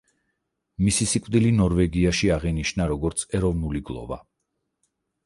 მისი სიკვდილი ნორვეგიაში აღინიშნა, როგორც ეროვნული გლოვა.